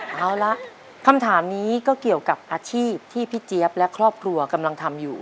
เอาละคำถามนี้ก็เกี่ยวกับอาชีพที่พี่เจี๊ยบและครอบครัวกำลังทำอยู่